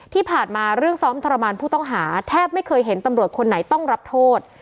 ที่ผ่านมาเรื่องซ้อมทรมานผู้ต้องหาแทบไม่เคยเห็นตำรวจคนไหนต้องรับโทษ